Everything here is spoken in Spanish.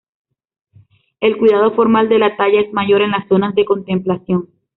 El cuidado formal de la talla es mayor en las zonas de contemplación.